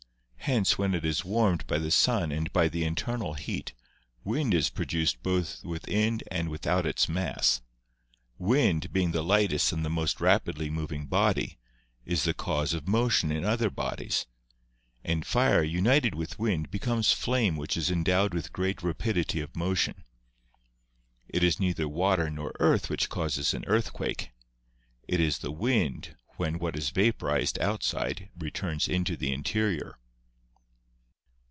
Hence when it is warmed by the sun and by the internal heat, wind is produced both within and without its mass. Wind, being the THE ANCIENT COSMOGONIES 9 lightest and most rapidly moving body, is the cause of motion in other bodies; and fire, united with wind, becomes flame which is endowed with great rapidity of motion. It is neither water nor earth which causes an earthquake ; it is the wind when what is vaporized outside returns into the interior."